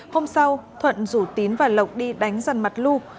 hôm sau thuận rủ tín và lộc đi đánh dần mặt lu